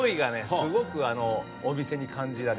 すごくお店に感じられて。